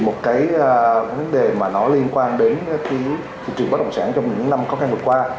một cái vấn đề mà nó liên quan đến thị trường bất động sản trong những năm có ngang vừa qua